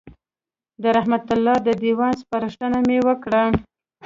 د رحمت الله د دېوان سپارښتنه مې وکړه.